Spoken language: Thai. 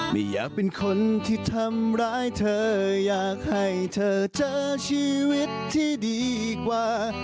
ไม่อยากเป็นคนที่ทำร้ายเธออยากให้เธอเจอชีวิตที่ดีกว่า